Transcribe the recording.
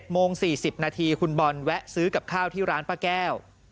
โมง๔๐นาทีคุณบอลแวะซื้อกับข้าวที่ร้านป้าแก้ว